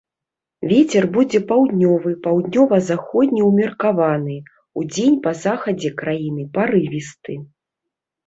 Вецер будзе паўднёвы, паўднёва-заходні ўмеркаваны, удзень па захадзе краіны парывісты.